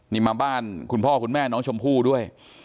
นี่มาบ้านคุณพ่อคุณแม่น้องชมพู่ด้วย